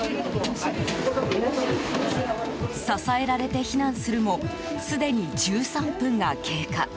支えられて避難するもすでに１３分が経過。